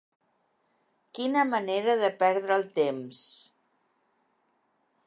Quina manera de perdre el temps!